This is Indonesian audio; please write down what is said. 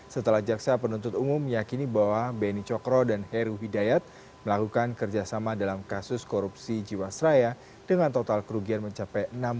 setelah jaksa penuntut umum meyakini bahwa beni cokro dan heru hidayat melakukan kerjasama dalam kasus korupsi jiwasraya dengan total kerugian mencapai